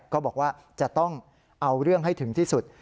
ก็บอกว่าจะต้องเอาเรื่องให้ถึงที่สุด